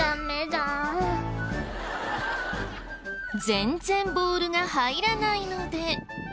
全然ボールが入らないので。